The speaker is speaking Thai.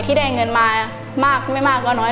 ที่ได้เงินมามากไม่มากก็น้อย